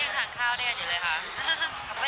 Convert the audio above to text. คือด้วยความที่เราคุยกันก่อนนะ